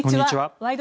「ワイド！